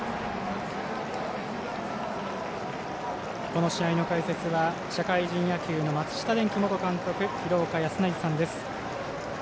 この試合の解説は社会人野球の松下電器元監督廣岡資生さんです。